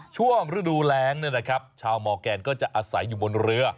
ช่วงฤดูแรงเนี่ยนะครับชาวมอร์แกนก็จะอาศัยอยู่บนเรือ